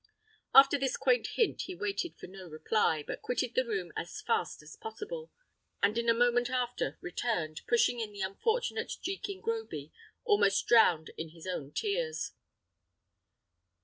After this quaint hint he waited for no reply, but quitted the room as fast as possible, and in a moment after returned, pushing in the unfortunate Jekin Groby almost drowned in his own tears.